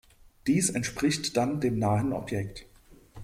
Dies entspricht dann dem nahen Objekt.